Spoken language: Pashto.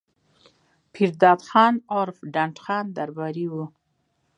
پير داد خان عرف ډنډ خان درباري وو